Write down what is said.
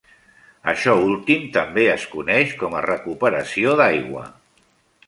Això últim també es coneix com a recuperació d'aigua.